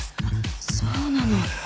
そうなの？